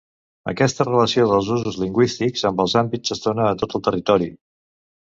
Aquesta relació dels usos lingüístics amb els àmbits es dona a tot el territori.